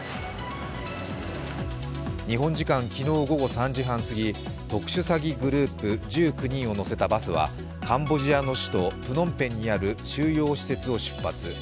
日本時間昨日午後３時半すぎ、特殊詐欺グループ１９人を乗せたバスはカンボジアの首都プノンペンにある収容施設を出発。